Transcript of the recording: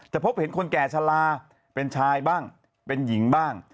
พบเห็นคนแก่ชะลาเป็นชายบ้างเป็นหญิงบ้าง